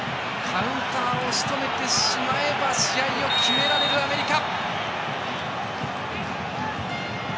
カウンターをしとめてしまえば試合を決められるアメリカ。